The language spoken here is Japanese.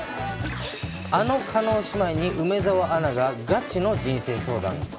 あの叶姉妹に梅澤アナがガチの人生相談。